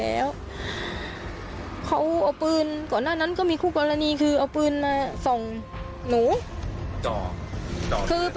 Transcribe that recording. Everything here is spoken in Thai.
แล้วนางสาวสุริวัณภรรยาของผู้เสียชีวิตนางสาวสุริวัณภรรยาของผู้เสียชีวิต